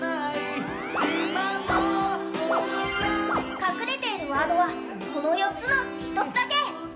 隠れているワードはこの４つのうち１つだけ。